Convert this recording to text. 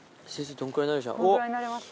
どのくらいになりました？